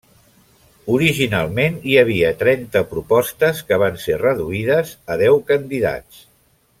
Originalment hi havia trenta propostes, que van ser reduïdes a deu candidats.